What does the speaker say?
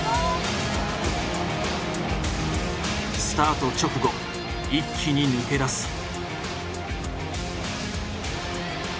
スタート直後一気に抜け出す。